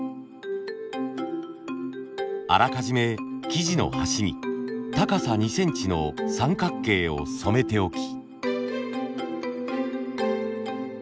あらかじめ生地の端に高さ２センチの三角形を染めておき。